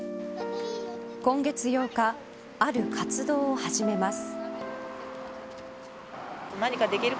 今月８日ある活動を始めます。